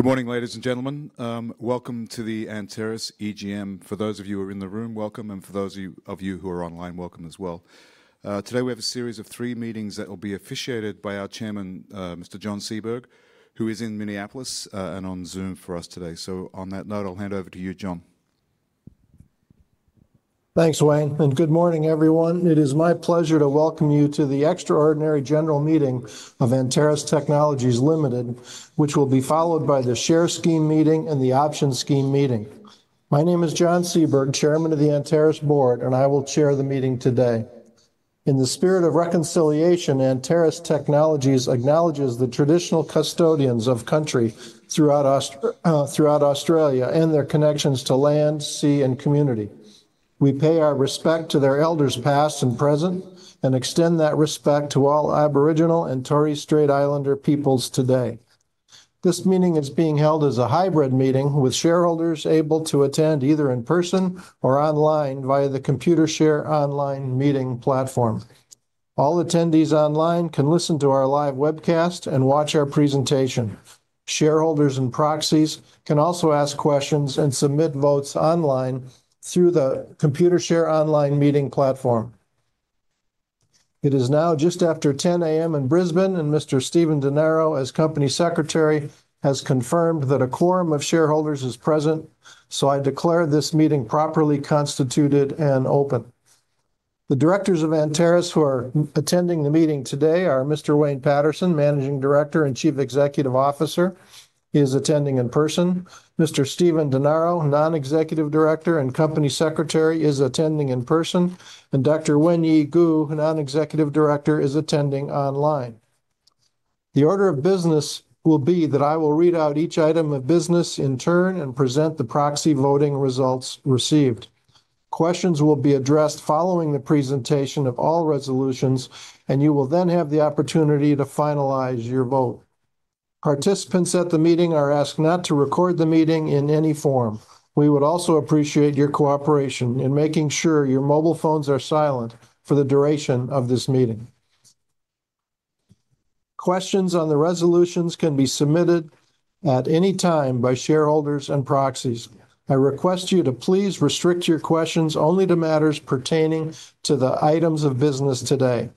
Good morning, ladies and gentlemen. Welcome to the Anteris EGM. For those of you who are in the room, welcome, and for those of you who are online, welcome as well. Today we have a series of three meetings that will be officiated by our Chairman, Mr. John Seaberg, who is in Minneapolis and on Zoom for us today. So on that note, I'll hand over to you, John. Thanks, Wayne, and good morning, everyone. It is my pleasure to welcome you to the Extraordinary General Meeting of Anteris Technologies Limited, which will be followed by the Share Scheme Meeting and the Option Scheme Meeting. My name is John Seaberg, Chairman of the Anteris Board, and I will chair the meeting today. In the spirit of reconciliation, Anteris Technologies acknowledges the traditional custodians of country throughout Australia and their connections to land, sea, and community. We pay our respect to their elders past and present and extend that respect to all Aboriginal and Torres Strait Islander peoples today. This meeting is being held as a hybrid meeting with shareholders able to attend either in person or online via the Computershare Online meeting platform. All attendees online can listen to our live webcast and watch our presentation. Shareholders and proxies can also ask questions and submit votes online through the Computershare Online meeting platform. It is now just after 10:00 A.M. in Brisbane, and Mr. Stephen Denaro, as Company Secretary, has confirmed that a quorum of shareholders is present, so I declare this meeting properly constituted and open. The directors of Anteris who are attending the meeting today are Mr. Wayne Paterson, Managing Director and Chief Executive Officer. He is attending in person. Mr. Stephen Denaro, Non-Executive Director and Company Secretary, is attending in person, and Dr. Wenyi Gu, Non-Executive Director, is attending online. The order of business will be that I will read out each item of business in turn and present the proxy voting results received. Questions will be addressed following the presentation of all resolutions, and you will then have the opportunity to finalize your vote. Participants at the meeting are asked not to record the meeting in any form. We would also appreciate your cooperation in making sure your mobile phones are silent for the duration of this meeting. Questions on the resolutions can be submitted at any time by shareholders and proxies. I request you to please restrict your questions only to matters pertaining to the items of business today.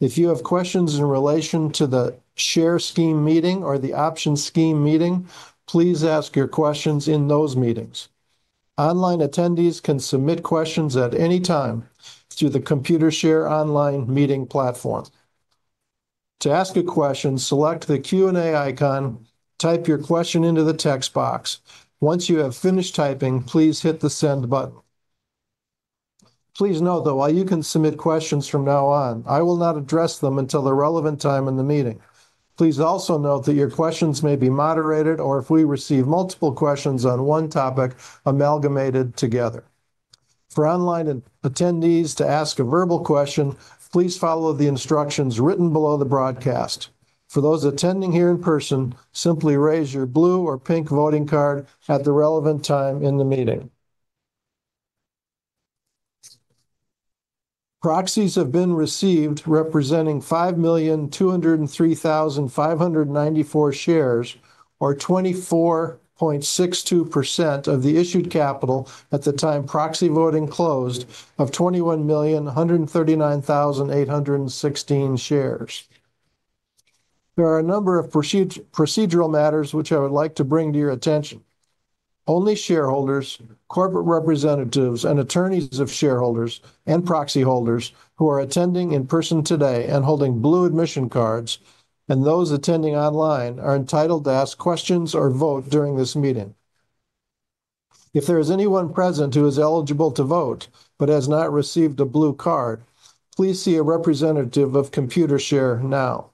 If you have questions in relation to the Share Scheme Meeting or the Option Scheme Meeting, please ask your questions in those meetings. Online attendees can submit questions at any time through the Computershare Online meeting platform. To ask a question, select the Q&A icon, type your question into the text box. Once you have finished typing, please hit the Send button. Please note that while you can submit questions from now on, I will not address them until the relevant time in the meeting. Please also note that your questions may be moderated or, if we receive multiple questions on one topic, amalgamated together. For online attendees to ask a verbal question, please follow the instructions written below the broadcast. For those attending here in person, simply raise your blue or pink voting card at the relevant time in the meeting. Proxies have been received representing 5,203,594 shares, or 24.62% of the issued capital at the time proxy voting closed of 21,139,816 shares. There are a number of procedural matters which I would like to bring to your attention. Only shareholders, corporate representatives, and attorneys of shareholders and proxy holders who are attending in person today and holding Blue admission cards, and those attending online, are entitled to ask questions or vote during this meeting. If there is anyone present who is eligible to vote but has not received a blue card, please see a representative of Computershare now.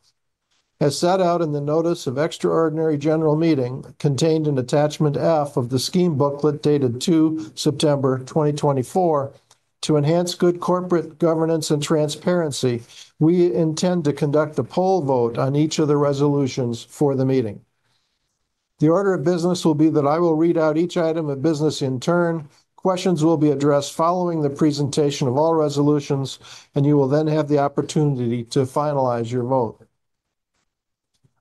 As set out in the Notice of Extraordinary General Meeting contained in Attachment F of the Scheme Booklet dated 2 September 2024, to enhance good corporate governance and transparency, we intend to conduct a poll vote on each of the resolutions for the meeting. The order of business will be that I will read out each item of business in turn. Questions will be addressed following the presentation of all resolutions, and you will then have the opportunity to finalize your vote.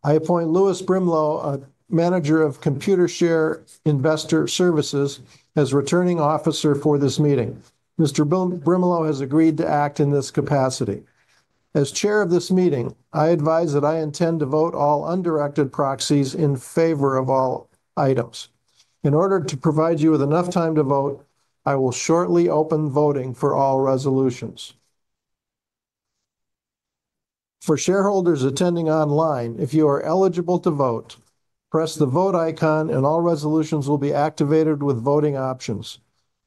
I appoint Lewis Brimelow, Manager of Computershare Investor Services, as returning officer for this meeting. Mr. Brimelow has agreed to act in this capacity. As Chair of this meeting, I advise that I intend to vote all undirected proxies in favor of all items. In order to provide you with enough time to vote, I will shortly open voting for all resolutions. For shareholders attending online, if you are eligible to vote, press the vote icon and all resolutions will be activated with voting options.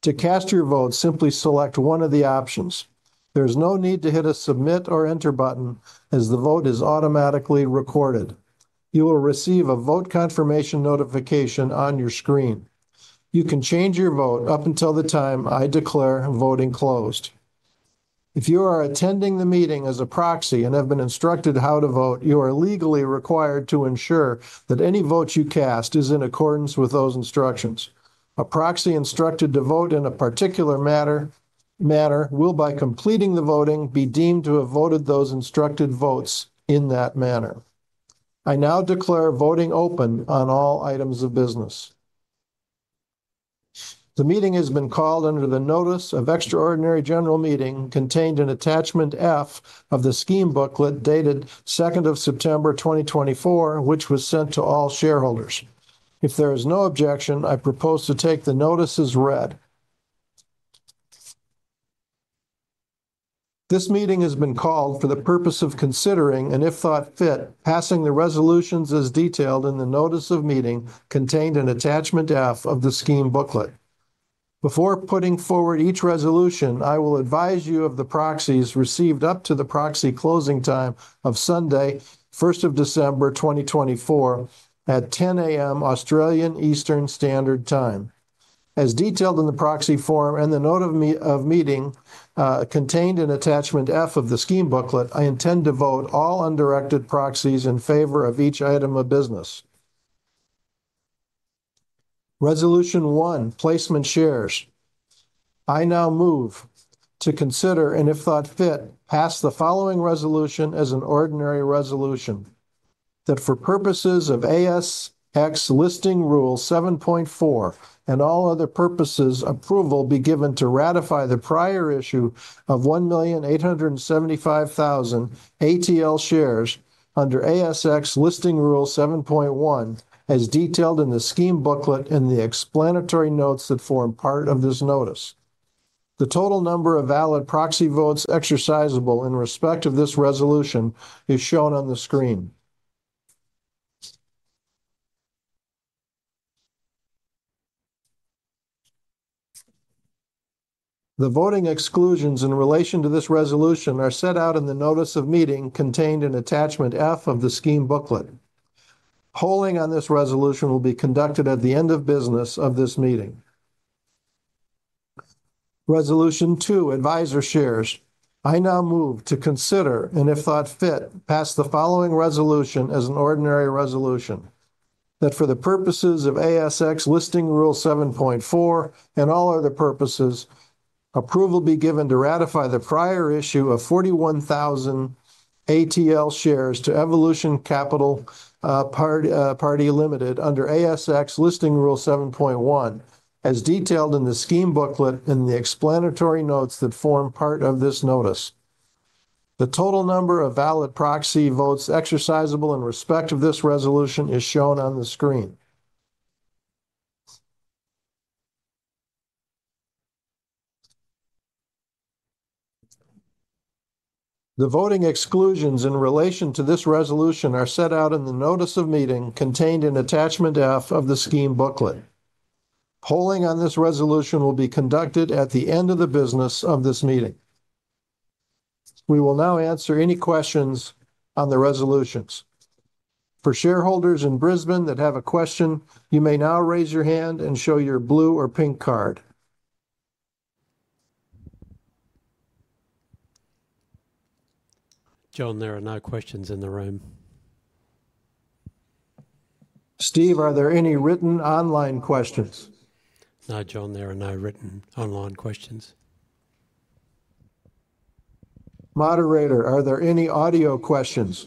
To cast your vote, simply select one of the options. There is no need to hit a Submit or Enter button, as the vote is automatically recorded. You will receive a vote confirmation notification on your screen. You can change your vote up until the time I declare voting closed. If you are attending the meeting as a proxy and have been instructed how to vote, you are legally required to ensure that any vote you cast is in accordance with those instructions. A proxy instructed to vote in a particular manner will, by completing the voting, be deemed to have voted those instructed votes in that manner. I now declare voting open on all items of business. The meeting has been called under the Notice of Extraordinary General Meeting contained in Attachment F of the Scheme Booklet dated 2 September 2024, which was sent to all shareholders. If there is no objection, I propose to take the notices read. This meeting has been called for the purpose of considering, and if thought fit, passing the resolutions as detailed in the Notice of Meeting contained in Attachment F of the Scheme Booklet. Before putting forward each resolution, I will advise you of the proxies received up to the proxy closing time of Sunday, 1 December 2024, at 10:00 A.M. Australian Eastern Standard Time. As detailed in the proxy form and the Notice of Meeting contained in Attachment F of the Scheme Booklet, I intend to vote all undirected proxies in favor of each item of business. Resolution 1, Placement Shares. I now move to consider, and if thought fit, pass the following resolution as an ordinary resolution: that for purposes of ASX Listing Rule 7.4 and all other purposes, approval be given to ratify the prior issue of 1,875,000 ATL shares under ASX Listing Rule 7.1, as detailed in the Scheme Booklet and the explanatory notes that form part of this notice. The total number of valid proxy votes exercisable in respect of this resolution is shown on the screen. The voting exclusions in relation to this resolution are set out in the Notice of Meeting contained in Attachment F of the Scheme Booklet. Polling on this resolution will be conducted at the end of business of this meeting. Resolution 2, Advisor Shares. I now move to consider, and if thought fit, pass the following resolution as an ordinary resolution: that for the purposes of ASX Listing Rule 7.4 and all other purposes, approval be given to ratify the prior issue of 41,000 ATL shares to Evolution Capital Pty Limited under ASX Listing Rule 7.1, as detailed in the Scheme Booklet and the explanatory notes that form part of this notice. The total number of valid proxy votes exercisable in respect of this resolution is shown on the screen. The voting exclusions in relation to this resolution are set out in the Notice of Meeting contained in Attachment F of the Scheme Booklet. Polling on this resolution will be conducted at the end of the business of this meeting. We will now answer any questions on the resolutions. For shareholders in Brisbane that have a question, you may now raise your hand and show your blue or pink card. John, there are no questions in the room. Steve, are there any written online questions? No, John, there are no written online questions. Moderator, are there any audio questions?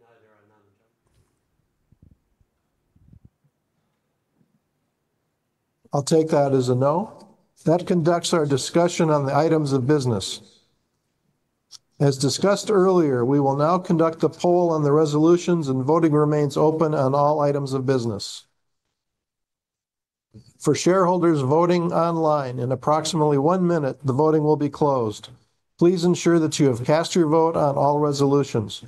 No, there are none, John. I'll take that as a no. That conducts our discussion on the items of business. As discussed earlier, we will now conduct the poll on the resolutions, and voting remains open on all items of business. For shareholders voting online, in approximately one minute, the voting will be closed. Please ensure that you have cast your vote on all resolutions.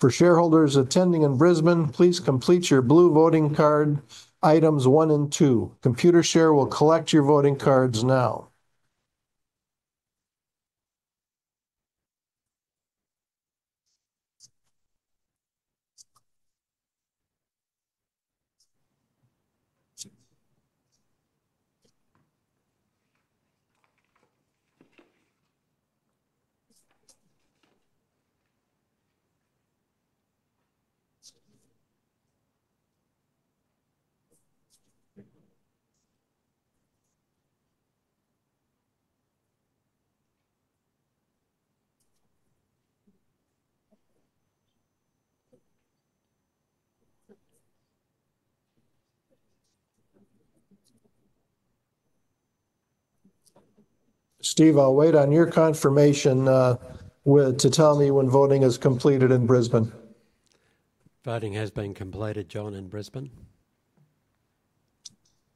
For shareholders attending in Brisbane, please complete your blue voting card items one and two. Computershare will collect your voting cards now. Steve, I'll wait on your confirmation to tell me when voting is completed in Brisbane. Voting has been completed, John, in Brisbane.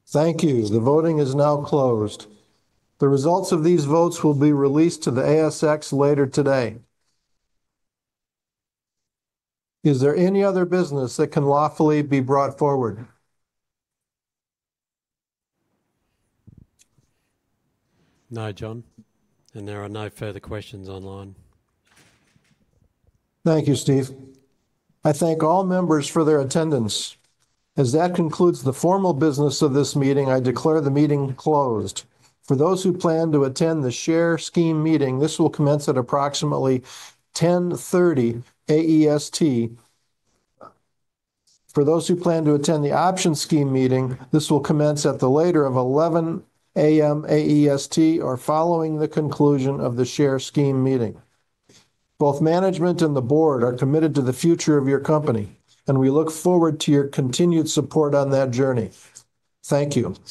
Thank you. The voting is now closed. The results of these votes will be released to the ASX later today. Is there any other business that can lawfully be brought forward? No, John, and there are no further questions online. Thank you, Steve. I thank all members for their attendance. As that concludes the formal business of this meeting, I declare the meeting closed. For those who plan to attend the Share Scheme Meeting, this will commence at approximately 10:30 A.M. AEST. For those who plan to attend the Option Scheme Meeting, this will commence at the later of 11:00 A.M. AEST or following the conclusion of the Share Scheme Meeting. Both management and the board are committed to the future of your company, and we look forward to your continued support on that journey. Thank you.